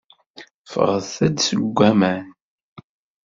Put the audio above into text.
Ffɣet-d seg waman.